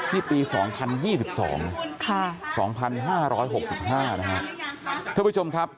นี่ปี๒๐๒๒๒๕๖๕นะครับท่านผู้ชมครับ